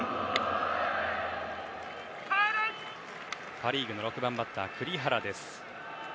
パ・リーグの６番バッター栗原です。